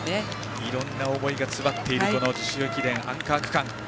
いろんな思いが詰まっている、この女子駅伝のアンカー区間です。